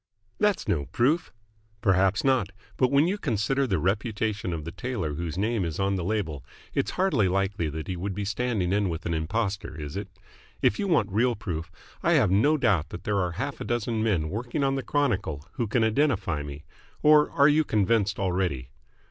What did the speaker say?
"That's no proof." "Perhaps not. But, when you consider the reputation of the tailor whose name is on the label, it's hardly likely that he would be standing in with an impostor, is it? If you want real proof, I have no doubt that there are half a dozen men working on the Chronicle who can identify me. Or are you convinced already?"